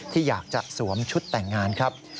ที่อยากจะสวมชุดแต่งงานครับ